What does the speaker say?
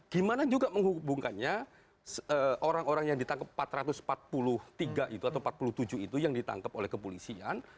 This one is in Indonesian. gimana juga menghubungkannya orang orang yang ditangkap empat ratus empat puluh tiga itu atau empat puluh tujuh itu yang ditangkap oleh kepolisian